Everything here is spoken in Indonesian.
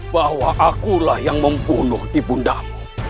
bahwa akulah yang membunuh ibundamu